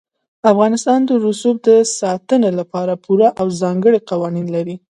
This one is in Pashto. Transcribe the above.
افغانستان د رسوب د ساتنې لپاره پوره او ځانګړي قوانین لري.